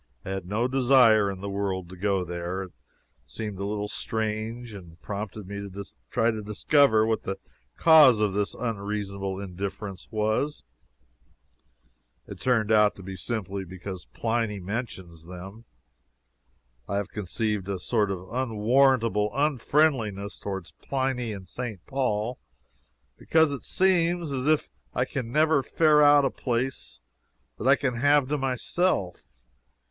I had no desire in the world to go there. This seemed a little strange, and prompted me to try to discover what the cause of this unreasonable indifference was. It turned out to be simply because Pliny mentions them. I have conceived a sort of unwarrantable unfriendliness toward Pliny and St. Paul, because it seems as if I can never ferret out a place that I can have to myself.